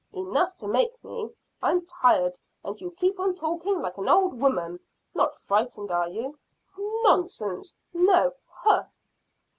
"Enough to make me. I'm tired, and you keep on talking like an old woman. Not frightened, are you?" "Nonsense! No. Ugh!"